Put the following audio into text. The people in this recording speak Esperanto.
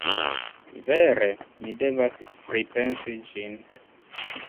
Vere, mi devas pripensi ĝin.